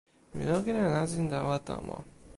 mi lukin e nasin tawa tomo.